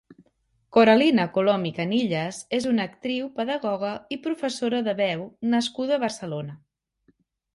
Coralina Colom i Canillas és una actriu, pedagoga i professora de veu nascuda a Barcelona.